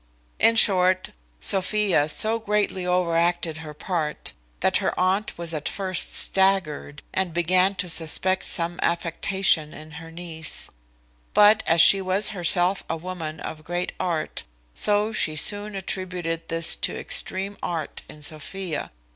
In short, Sophia so greatly overacted her part, that her aunt was at first staggered, and began to suspect some affectation in her niece; but as she was herself a woman of great art, so she soon attributed this to extreme art in Sophia.